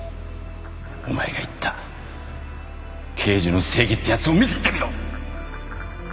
お前が言った刑事の正義ってやつを見せてみろ！